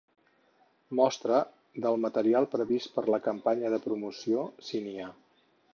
Mostra del material previst per la campanya de promoció, si n'hi ha.